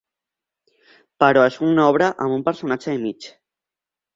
Però és una obra amb un personatge i mig.